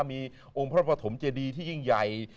มีองค์พระปฐมเจดีที่ยิ่งใหญ่